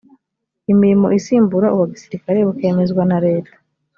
imirimo isimbura uwa gisirikare bukemezwa na leta